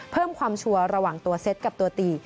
เพิ่มความชัวร์ระหว่างตัวเซ็ตกับตัวตี